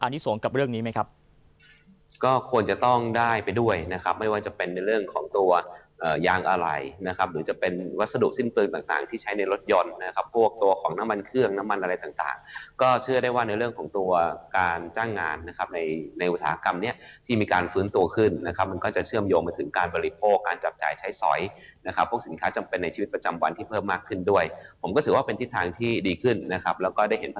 ที่ส่งกับเรื่องนี้ไหมครับก็ควรจะต้องได้ไปด้วยนะครับไม่ว่าจะเป็นในเรื่องของตัวยางอะไหลนะครับหรือจะเป็นวัสดุสิ้นปืนต่างที่ใช้ในรถยนต์นะครับพวกตัวของน้ำมันเครื่องน้ำมันอะไรต่างก็เชื่อได้ว่าในเรื่องของตัวการจ้างงานนะครับในวิธากรรมเนี่ยที่มีการฟื้นตัวขึ้นนะครับมันก็จะเชื่อมโยงมาถึงการ